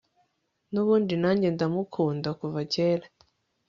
nubundi nanjye ndamukunda kuva kera